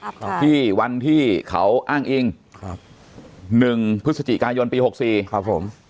ครับที่วันที่เขาอ้างอิงครับหนึ่งพฤศจิกายนปีหกสี่ครับผม